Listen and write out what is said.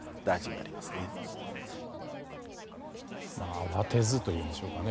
慌てずというんでしょうかね。